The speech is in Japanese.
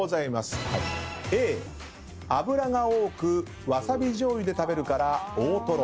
Ａ脂が多くワサビ醤油で食べるからオオトロ。